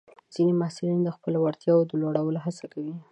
ځینې محصلین د خپلو وړتیاوو د لوړولو هڅه کوي.